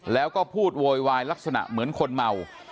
แล้วก็พูดโวยวายลักษณะเหมือนคนเมา